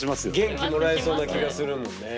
元気もらえそうな気がするもんね。